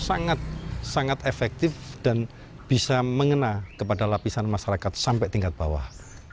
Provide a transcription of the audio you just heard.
sangat sangat efektif dan bisa mengena kepada lapisan masyarakat sampai tingkat bawah